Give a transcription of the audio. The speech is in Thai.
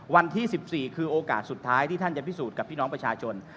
วันที่๑๔คือโอกาสสุดท้ายที่ท่านจะพิสูจน์กับพี่น้องประชาชน